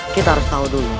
kita harus tahu dulu